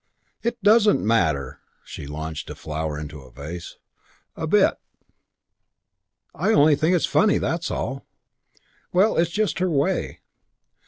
"It doesn't matter" she launched a flower into a vase "a bit. I only think it's funny, that's all." "Well, it's just her way."